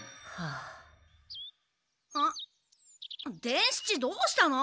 伝七どうしたの？